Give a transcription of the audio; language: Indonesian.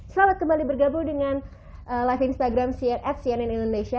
selamat kembali bergabung dengan live instagram cnn indonesia